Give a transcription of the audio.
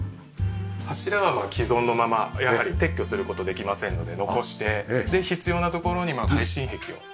柱は既存のままやはり撤去する事できませんので残してで必要な所に耐震壁を設けて。